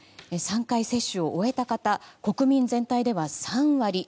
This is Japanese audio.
３回接種を終えた方国民全体では３割。